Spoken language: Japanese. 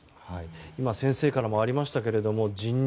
今、先生からもありましたけれども、人流。